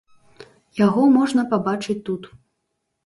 Яго можна пабачыць тут.